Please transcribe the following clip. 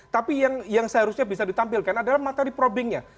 tapi yang seharusnya bisa ditampilkan adalah materi probingnya